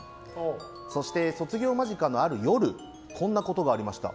そして卒業間近のある夜こんなことがありました。